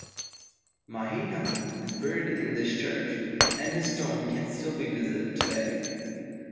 Mihnea is buried in this church and his tomb can still be visited today.